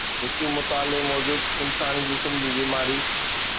هڪ مطالعي موجب، انساني جسم جي بيماري